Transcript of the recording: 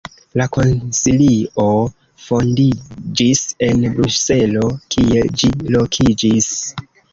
La Konsilio fondiĝis en Bruselo, kie ĝi lokiĝis.